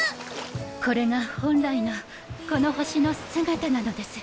これが本来のこの星の姿なのです。